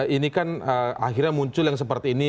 ini kan akhirnya muncul yang seperti ini